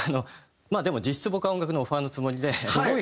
まあでも実質僕は音楽のオファーのつもりで。